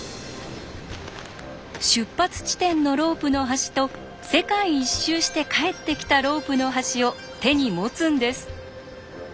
出発地点のロープの端と世界一周して帰ってきたロープの端を手に持つんです。